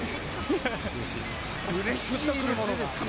うれしいです！